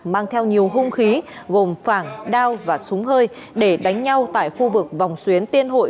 mang theo nhiều hung khí gồm phảng đao và súng hơi để đánh nhau tại khu vực vòng xuyến tiên hội